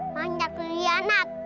banyak ria anak